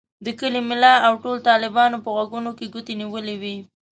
د کلي ملا او ټولو طالبانو په غوږونو کې ګوتې نیولې وې.